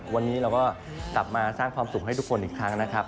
วันนี้เราก็กลับมาสร้างความสุขให้ทุกคนอีกครั้งนะครับ